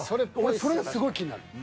それがすごい気になる。